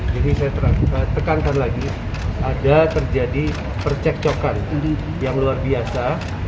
jadi saya tekankan lagi ada terjadi percekcokan yang luar biasa